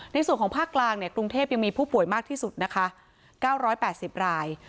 ในส่วนของภาคกลางกรุงเทพยังมีผู้ป่วยมากที่สุดนะคะ๙๘๐ราย